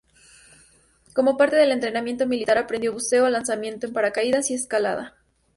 Como parte del entrenamiento militar aprendió buceo, lanzamiento en paracaídas y escalada.